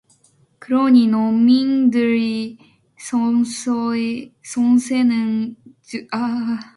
그러니 농민들의 성쇠는 즉 국가 흥망의 기원이 될 것만은 사실이오.